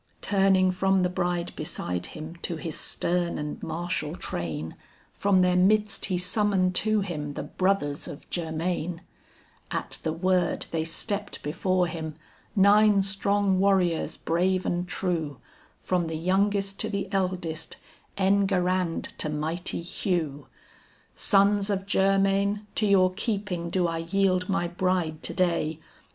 Turning from the bride beside him to his stern and martial train, From their midst he summoned to him the brothers of Germain; At the word they stepped before him, nine strong warriors brave and true, From the youngest to the eldest, Enguerrand to mighty Hugh. "Sons of Germain, to your keeping do I yield my bride to day.